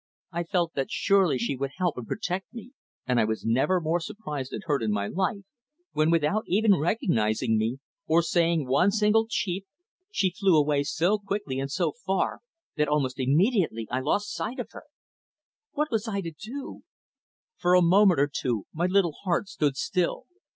I felt that surely she would help and protect me, and I was never more surprised and hurt in my life when, without even recognizing me, or saying one single cheep, she flew away so quickly, and so far, that almost immediately I lost sight of her. What was I to do? For a moment or two my little heart stood still.